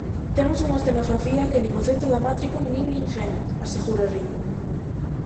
"Temos unha escenografía que nin o Centro Dramático nin ninguén", asegura rindo.